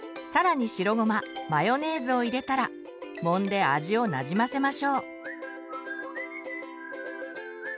更に白ごまマヨネーズを入れたらもんで味をなじませましょう。